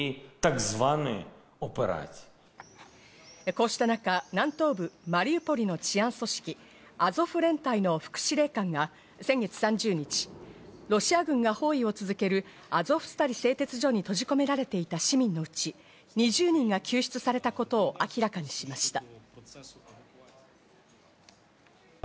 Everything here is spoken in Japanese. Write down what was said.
こうした中、南東部マリウポリの治安組織、アゾフ連隊の副司令官が先月３０日、ロシア軍が包囲を続けるアゾフスタリ製鉄所に閉じ込められていた市民のうち２０人が救出されたことを明らかにしました。